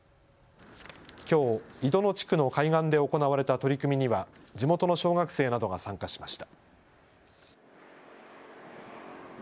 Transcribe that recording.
きょう井戸野地区の海岸で行われた取り組みには地元の小学生などが参加しました。